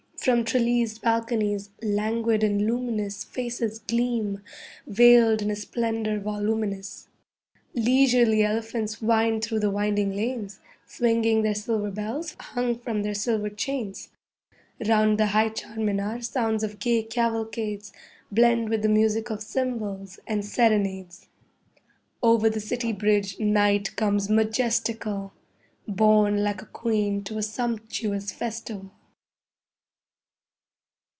From trellised balconies, languid and luminous Faces gleam, veiled in a splendour voluminous. Leisurely elephants wind through the winding lanes, Swinging their silver bells hung from their silver chains. Round the high Char Minar sounds of gay cavalcades Blend with the music of cymbals and serenades. Over the city bridge Night comes majestical, Borne like a queen to a sumptuous festival.